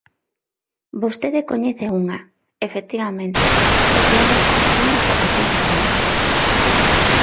Vostede coñece unha, efectivamente, o Plan de fixación da poboación rural.